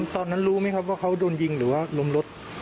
ตอนนั้นรู้ไหมครับว่าเขาโดนยิงหรือว่าล้มรถ